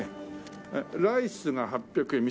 ライスが８００円